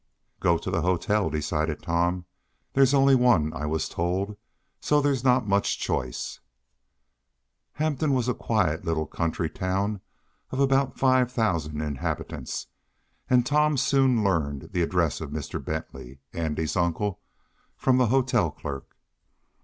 "Go to the hotel," decided Tom. "There's only one, I was told, so there's not much choice." Hampton was a quiet little country town of about five thousand inhabitants, and Tom soon learned the address of Mr. Bentley, Andy's uncle, from the hotel clerk.